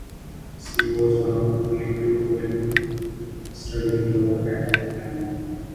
She was one of only two women studying Law at that time.